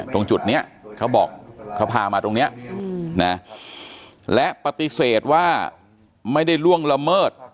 ตรงจุดนี้เขาบอกเขาพามาตรงนี้นะและปฏิเสธว่าไม่ได้ล่วงละเมิด